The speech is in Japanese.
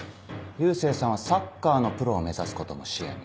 佑星さんはサッカーのプロを目指すことも視野に？